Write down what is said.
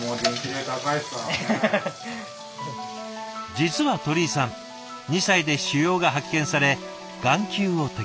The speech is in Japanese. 実は鳥居さん２歳で腫瘍が発見され眼球を摘出。